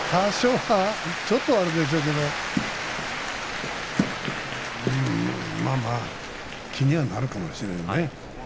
ちょっとはあるでしょうけれどまあまあ気にはなるかもしれんね。